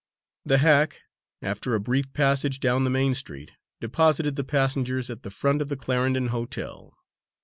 The hack, after a brief passage down the main street, deposited the passengers at the front of the Clarendon Hotel.